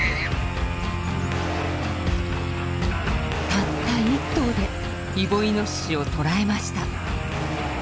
たった１頭でイボイノシシを捕らえました。